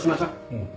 うん。